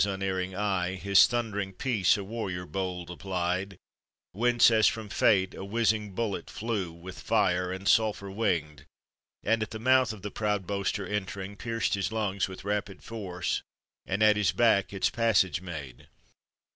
unerring eye His thund'ring piece a warrior bold applied Whence, as from fate, a whi/.zlng bullet flew With fire and sulpur wlng'd. and at the mout'h M the proud boaster enl'rln*. pierced hi. lung. With rapid force, and at his back Its passage made.